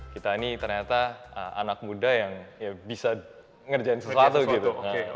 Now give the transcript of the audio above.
kita ini ternyata anak muda yang ya bisa ngerjain sesuatu gitu